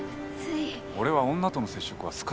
俺は女との接触は好かんのだ。